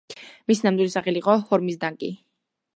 მისი ნამდვილი სახელი იყო ჰორმიზდაკი.